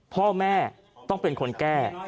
พ่อแม่ต้องเป็นคนแก้